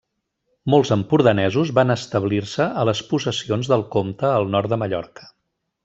Molts empordanesos van establir-se a les possessions del comte al nord de Mallorca.